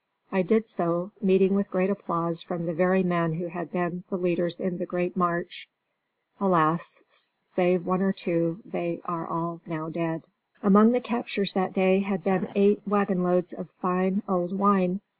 I did so, meeting with great applause from the very men who had been the leaders in the great "March." Alas! save one or two, they are now all dead. Among the captures that day had been eight wagonloads of fine, old wine.